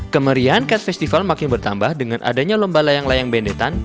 kemeriahan cat festival makin bertambah dengan adanya lomba layang layang bendetan